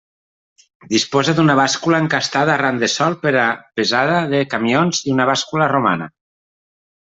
Disposa d'una bàscula encastada arran de sòl per a pesada de camions i una bàscula romana.